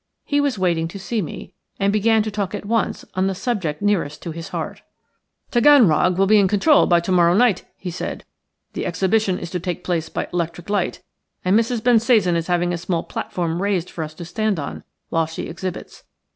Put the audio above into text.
He was waiting to see me, and began to talk at once on the subject nearest his heart. "Taganrog will be in control by to morrow night," he said. "The exhibition is to take place by electric lights and Mrs. Bensasan is having a small platform raised for us to stand on while she exhibits.